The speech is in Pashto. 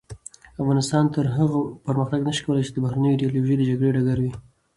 افغانستان تر هغو پرمختګ نشي کولای چې د بهرنیو ایډیالوژیو د جګړې ډګر وي.